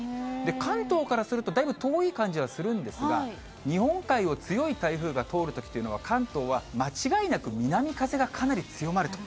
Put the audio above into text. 関東からすると、だいぶ遠い感じはするんですが、日本海を強い台風が通るときというのは、関東は間違いなく南風がかなり強まると。